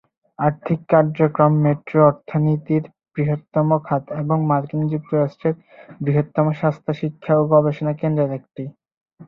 আর্থিক কার্যক্রম মেট্রো অর্থনীতির বৃহত্তম খাত এবং মার্কিন যুক্তরাষ্ট্রের বৃহত্তম স্বাস্থ্য শিক্ষা ও গবেষণা কেন্দ্রের একটি।